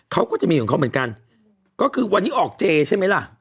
เขาก็จะมีของเขาเหมือนกันก็คือวันนี้ออกเจใช่ไหมล่ะ